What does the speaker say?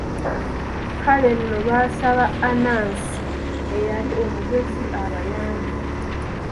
Kale nno baasaba Anansi eyali omugezi abayambe.